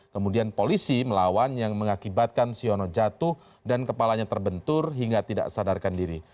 kemudian polisi melawan yang mengakibatkan siono jatuh dan kepalanya terbentur hingga tidak sadarkan diri